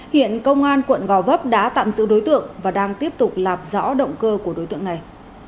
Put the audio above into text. hiện công an quận gò vấp đã tạm giữ đối tượng và đang tiếp tục lạp dõi động cơ của đối tượng này